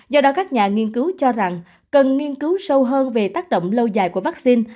do đó các nhà nghiên cứu cho rằng cần nghiên cứu sâu hơn về tác động lâu dài của vaccine